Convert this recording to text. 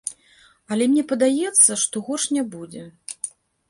Але мне падаецца, што горш не будзе.